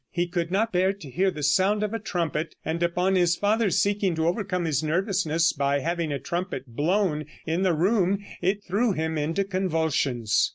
He could not bear to hear the sound of a trumpet, and upon his father seeking to overcome his nervousness by having a trumpet blown in the room, it threw him into convulsions.